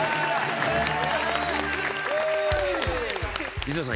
水野さん